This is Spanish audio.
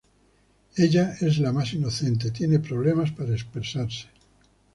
Ella es la más inocente tiene problemas para expresarse.